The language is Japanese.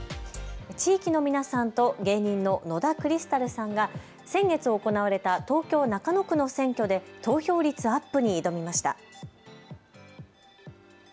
地域の皆さんと芸人の野田クリスタルさんが先月行われた東京中野区の選挙で投票率アップに挑みました。